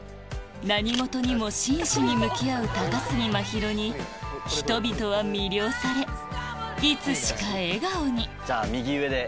何事にも真摯に向き合う高杉真宙に人々は魅了されいつしか笑顔にじゃあ右上で。